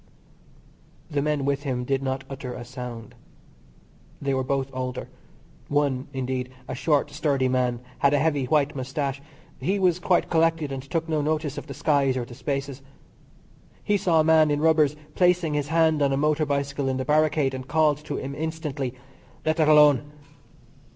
The men with him did not utter a sound. They were both older. One, indeed, a short, sturdy man, had a heavy white moustache. He was quite collected, and took no notice of the skies, or the spaces. He saw a man in rubbers placing his hand on a motor bicycle in the barricade, and called to him instantly: "Let that alone."